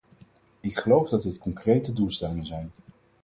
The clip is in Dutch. Ik geloof dat dit concrete doelstellingen zijn.